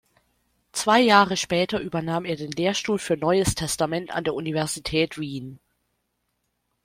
Zwei Jahre später übernahm er den Lehrstuhl für Neues Testament an der Universität Wien.